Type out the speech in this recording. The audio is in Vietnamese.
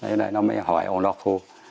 thế này nó mới hỏi ông lọc hô